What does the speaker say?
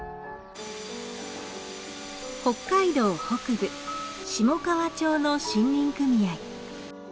北海道北部下川町の森林組合。